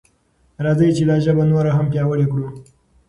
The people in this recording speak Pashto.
راځئ چې دا ژبه نوره هم پیاوړې کړو.